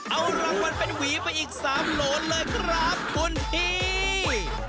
เอารางวัลเป็นหวีไปอีก๓โหลนเลยครับคุณพี่